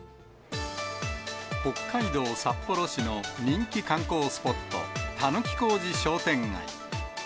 北海道札幌市の人気観光スポット、狸小路商店街。